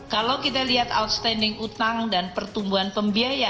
kalau kita lihat outstanding utang dan pertumbuhan pembiayaan